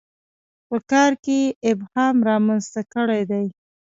په کار کې یې ابهام رامنځته کړی دی.